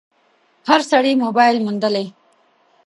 هر سړي موبایل موندلی